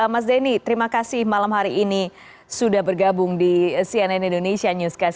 mas denny terima kasih malam hari ini sudah bergabung di cnn indonesia newscast